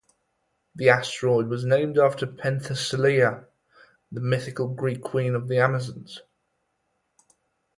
The asteroid was named after Penthesilea, the mythical Greek queen of the Amazons.